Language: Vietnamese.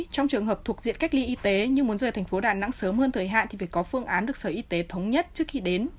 trong trường hợp thuộc diện cách ly y tế nhưng muốn rời thành phố đà nẵng sớm hơn thời hạn thì phải có phương án được sở y tế thống nhất trước khi đến